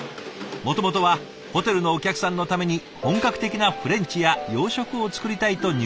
もともとはホテルのお客さんのために本格的なフレンチや洋食を作りたいと入社してきたはず。